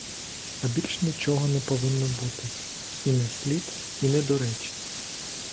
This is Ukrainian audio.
А більш нічого не повинно бути, і не слід, і не до речі.